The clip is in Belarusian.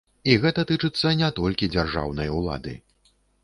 І гэта тычыцца не толькі дзяржаўнай улады.